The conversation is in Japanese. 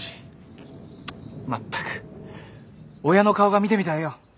まったく親の顔が見てみたいよ。